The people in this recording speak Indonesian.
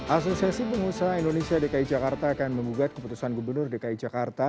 asosiasi pengusaha indonesia dki jakarta akan mengugat keputusan gubernur dki jakarta